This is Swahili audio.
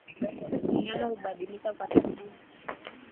Mnyama kubadilika kwa tabia